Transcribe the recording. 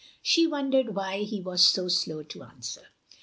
She wondered why he was so slow to answer.